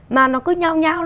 mà nó cứ nhau nhau